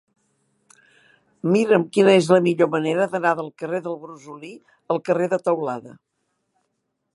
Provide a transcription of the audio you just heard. Mira'm quina és la millor manera d'anar del carrer del Brosolí al carrer de Teulada.